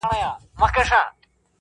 نمرمخی یو داسې غزلیز شاعرانه ترکیب دی